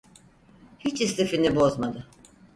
Hiç istifini bozmadı.